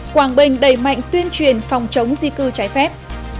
quảng bình đẩy mạnh tuyên truyền phòng chống di cư trái phép